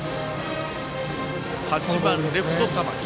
８番レフト、玉置。